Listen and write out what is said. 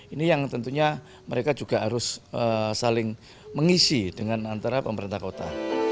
ini yang tentunya mereka juga harus saling mengisi dengan antara pemerintah kota